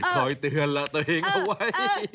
คอยเตือนและตัวเองเอาไว้